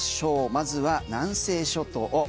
まずは南西諸島。